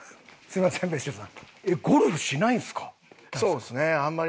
そうですねあんまり。